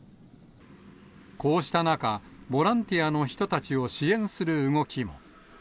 こうした中、ボランティアの人たちを支援する動きも。